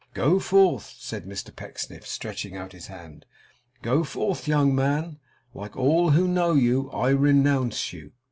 Go forth,' said Mr Pecksniff, stretching out his hand: 'go forth, young man! Like all who know you, I renounce you!